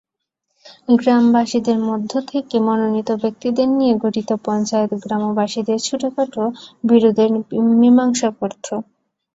গ্রামবাসীদের মধ্য থেকে মনোনীত ব্যক্তিদের নিয়ে গঠিত পঞ্চায়েত গ্রামবাসীদের ছোটখাট বিরোধের মীমাংসা করত।